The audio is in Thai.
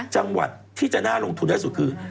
จังหวัดที่จะน่าลงทุนที่สุดคือ